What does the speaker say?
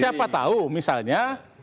siapa tahu misalnya